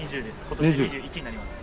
今年２１になります。